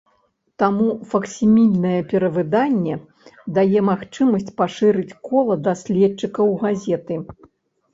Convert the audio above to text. Таму факсімільнае перавыданне дае магчымасць пашырыць кола даследчыкаў газеты.